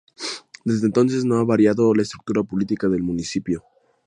Desde entonces no ha variado la estructura política del municipio.